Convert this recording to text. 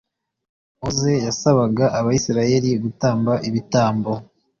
mose yasabaga abisirayeli gutamba ibitambo